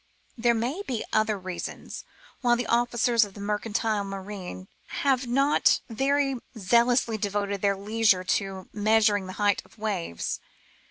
There may be other reasons why the officers of the mercantile marine have not very zealously devoted their leisure to measuring the height of waves.